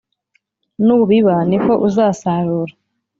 nubiba, niko uzasarura